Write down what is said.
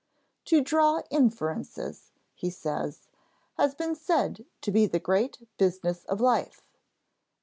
"To draw inferences," he says, "has been said to be the great business of life.